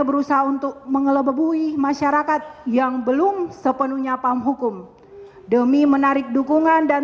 berusaha untuk mengelebebui masyarakat yang belum sepenuhnya paham hukum demi menarik dukungan dan